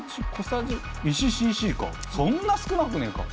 そんな少なくねえか。